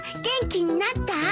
元気になった？